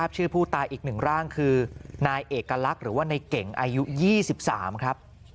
ชื่อผู้ตายอีก๑ร่างคือนายเอกลักษณ์หรือว่าในเก่งอายุ๒๓ครับ